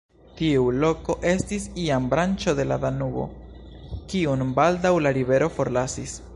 Tiu loko estis iam branĉo de la Danubo, kiun baldaŭ la rivero forlasis.